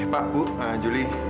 pak bu julie